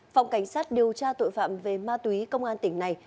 phòng cảnh sát điều tra tội phạm về ma túy công an tỉnh này